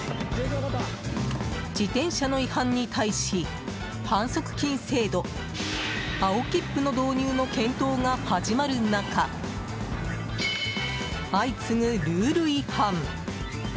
自転車の違反に対し、反則金制度青切符の導入の検討が始まる中相次ぐルール違反。